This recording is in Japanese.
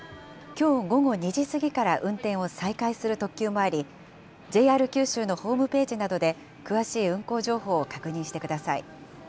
きょう午後２時過ぎから運転を再開する特急もあり、ＪＲ九州のホームページなどで詳しい運行情報を確認してください。